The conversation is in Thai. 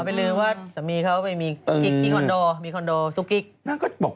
อ๋อไปลืมว่าสมียเขาไปมีคอนโดซูกกิ๊ก